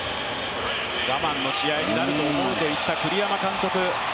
我慢の試合になると思うと言った栗山監督。